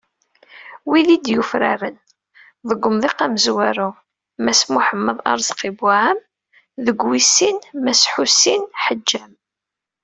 Wid i d-yufraren deg umḍiq amezwaru, Mass Muḥemmed Arezqi Buɛam, deg wis sin, Mass Ḥusin Ḥeǧǧam.